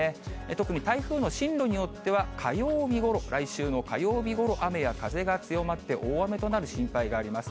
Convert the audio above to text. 特に台風の進路によっては、火曜日ごろ、来週の火曜日ごろ、雨や風が強まって、大雨となる心配があります。